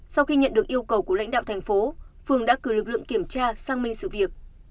sau khi nhận được yêu cầu của lãnh đạo thành phố phường đã cử lực lượng kiểm tra sang minh sự việc